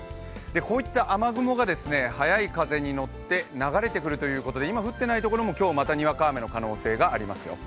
こういった雨雲が速い風に乗って流れてくるということで今降ってないところも今日またにわか雨の可能性がありますよ。